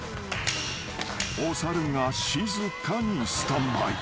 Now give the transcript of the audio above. ［お猿が静かにスタンバイ］